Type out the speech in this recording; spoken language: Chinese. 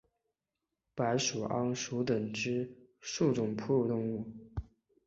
白尾鼹属等之数种哺乳动物。